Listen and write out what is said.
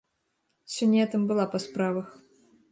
Сёння я там была па справах.